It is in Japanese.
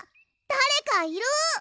だれかいる！